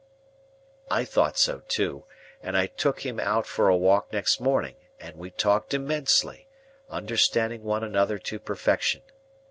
I thought so too, and I took him out for a walk next morning, and we talked immensely, understanding one another to perfection.